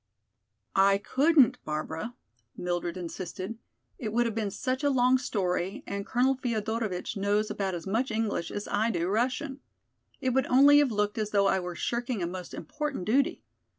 "I couldn't, Barbara," Mildred insisted. "It would have been such a long story and Colonel Feodorovitch knows about as much English as I do Russian. It would only have looked as though I were shirking a most important duty.